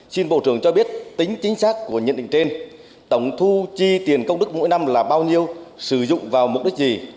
xin bộ trưởng cho biết tính chính xác của nhận định trên tổng thu chi tiền công đức mỗi năm là bao nhiêu sử dụng vào mục đích gì